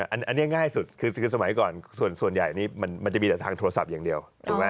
อันนี้ง่ายสุดคือสมัยก่อนส่วนใหญ่มันจะมีแต่ทางโทรศัพท์อย่างเดียวถูกไหม